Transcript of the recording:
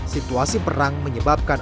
situasi perang menyebabkan